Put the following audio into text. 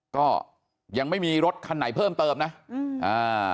ก็ยังไม่มีรถคันไหนเพิ่มเติมนะอืมอ่า